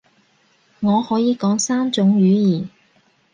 我可以講三種語言